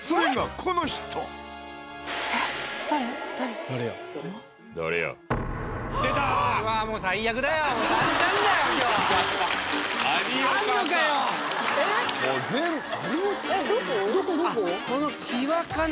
この際かな？